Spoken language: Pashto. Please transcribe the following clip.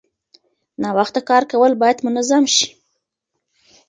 ناوخته کار کول باید منظم شي.